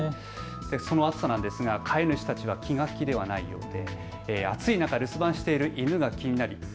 その熱さなんですが飼い主たちは気が気ではないようで。